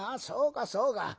そうかそうか。